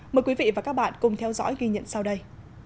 mời quý vị và các bạn cùng theo dõi ghi nhận sau đây